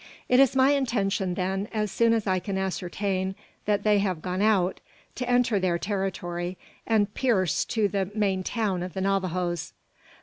"It is my intention then, as soon as I can ascertain that they have gone out, to enter their territory, and pierce to the main town of the Navajoes."